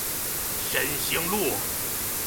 深興路